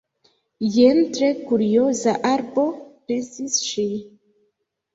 "Jen tre kurioza arbo," pensis ŝi.